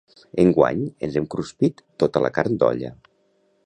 Enguany ens hem cruspit tota la carn d'olla.